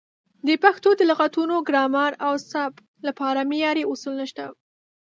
د پښتو د لغتونو، ګرامر او سبک لپاره معیاري اصول نشته.